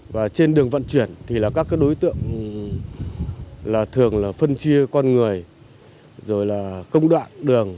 và trên đường vận chuyển thì các đối tượng thường phân chia con người công đoạn đường